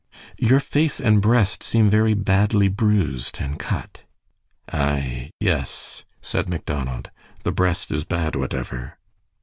"Your face and breast seem very badly bruised and cut." "Aye, yes," said Macdonald. "The breast is bad whatever."